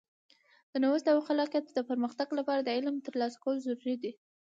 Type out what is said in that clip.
د نوښت او خلاقیت د پرمختګ لپاره د علم ترلاسه کول ضروري دي.